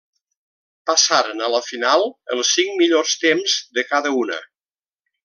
Passaren a la final els cinc millors temps de cada una.